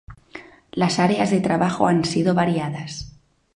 Las áreas de trabajo han sido variadas.